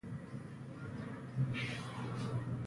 ټوپک ماران، قاچاقبران او ګل ټېران داسې حالت لري.